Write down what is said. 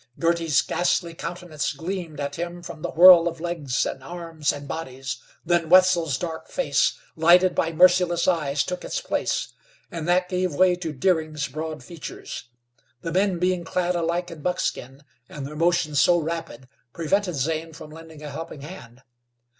Girty's ghastly countenance gleamed at him from the whirl of legs, and arms and bodies. Then Wetzel's dark face, lighted by merciless eyes, took its place, and that gave way to Deering's broad features. The men being clad alike in buckskin, and their motions so rapid, prevented Zane from lending a helping hand.